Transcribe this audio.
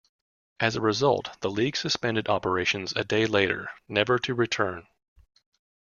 As a result, the league suspended operations a day later, never to return.